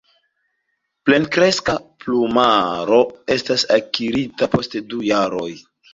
Plenkreska plumaro estas akirita post du jaroj.